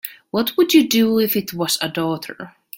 What would you do if it was a daughter?